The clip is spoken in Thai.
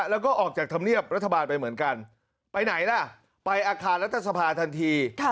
แล้วก็ออกจากธรรมเนียบรัฐบาลไปเหมือนกันไปไหนล่ะไปอาคารรัฐสภาทันที